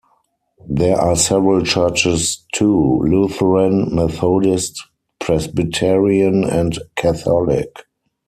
There are several churches, too: Lutheran, Methodist, Presbyterian, and Catholic.